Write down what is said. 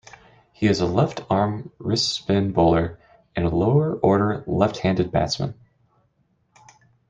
He is a left-arm wrist spin bowler, and a lower-order left-handed batsman.